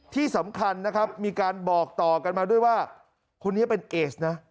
ที่สำคัญนะครับมีการบอกต่อกันมาด้วยว่าคนนี้เป็นเอสนะ